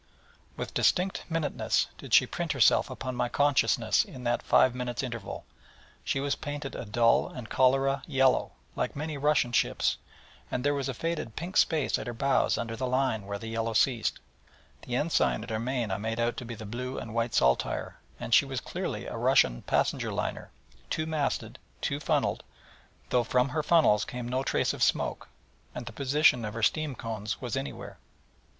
With distinct minuteness did she print herself upon my consciousness in that five minutes' interval: she was painted a dull and cholera yellow, like many Russian ships, and there was a faded pink space at her bows under the line where the yellow ceased: the ensign at her main I made out to be the blue and white saltire, and she was clearly a Russian passenger liner, two masted, two funnelled, though from her funnels came no trace of smoke, and the position of her steam cones was anywhere.